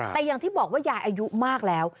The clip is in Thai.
แต่อย่างที่บอกว่ายายอายุมากแล้ว